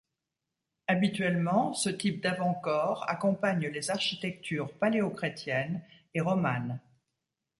Habituellement, ce type d'avant-corps accompagne les architectures paléochrétiennes et romanes.